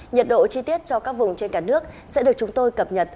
nhiệt độ chi tiết cho các vùng trên cả nước sẽ được chúng tôi cập nhật